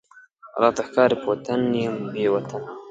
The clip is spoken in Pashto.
راته ښکاری په وطن یم بې وطنه،